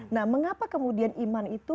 nah mengapa kemudian iman itu